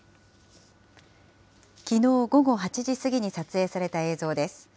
きのう午後８時過ぎに撮影された映像です。